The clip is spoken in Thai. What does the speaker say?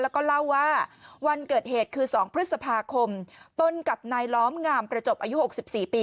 แล้วก็เล่าว่าวันเกิดเหตุคือ๒พฤษภาคมต้นกับนายล้อมงามประจบอายุ๖๔ปี